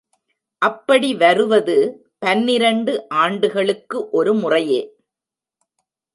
அப்படி வருவது பன்னிரண்டு ஆண்டுகளுக்கு ஒரு முறையே.